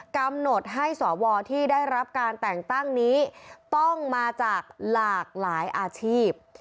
กำหนดให้สวที่ได้รับการแต่งตั้งนี้ต้องมาจากหลากหลายอาชีพ